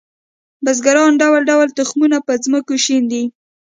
بزګران ډول ډول تخمونه په ځمکو شیندي